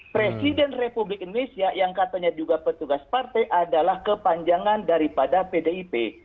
presiden republik indonesia yang katanya juga petugas partai adalah kepanjangan daripada pdip